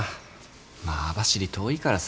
まあ網走遠いからさ。